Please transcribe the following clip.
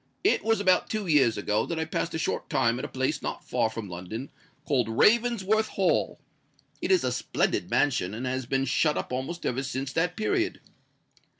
"It was about two years ago that I passed a short time at a place not far from London, called Ravensworth Hall. It is a splendid mansion, and has been shut up almost ever since that period.